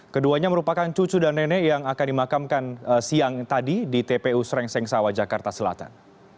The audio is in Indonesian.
keduanya merupakan cucu dan nenek yang akan dimakamkan siang tadi di tpu srengseng sawah jakarta selatan